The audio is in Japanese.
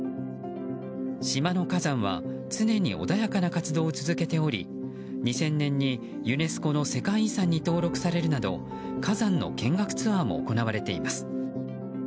島の火山は常に穏やかな活動を続けており２０００年にユネスコの世界遺産に登録されるなど火山の見学ツアーも行われています。